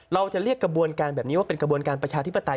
เราจะเรียกกระบวนการแบบนี้ว่าเป็นกระบวนการประชาธิปไตย